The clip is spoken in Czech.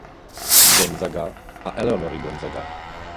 Gonzaga a Eleonory Gonzaga.